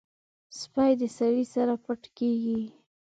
سپي د سړي سره پټ کېږي.